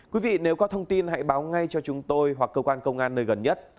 quý vị nếu có thông tin hãy báo ngay cho chúng tôi hoặc cơ quan công an nơi gần nhất